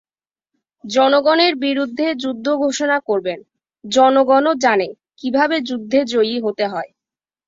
জনগণের বিরুদ্ধে যুদ্ধ ঘোষণা করবেন, জনগণও জানে, কীভাবে যুদ্ধে জয়ী হতে হয়।